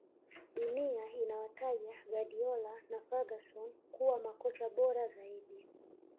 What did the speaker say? dunia inawataja guardiola na ferguson kuwa makocha bora zaidi